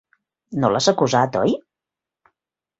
No l'has acusat, oi?